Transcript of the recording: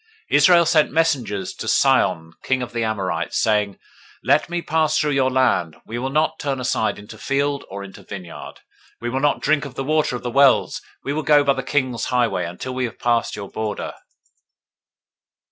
021:021 Israel sent messengers to Sihon king of the Amorites, saying, 021:022 Let me pass through your land: we will not turn aside into field, or into vineyard; we will not drink of the water of the wells: we will go by the king's highway, until we have passed your border.